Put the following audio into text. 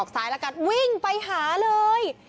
ออกซ้ายวิ่งไปหาเลย